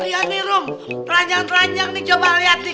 lihat nih rum teranjang teranjang nih coba lihat nih